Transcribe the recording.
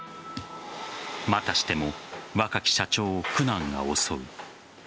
またしても若き社長を苦難が襲う。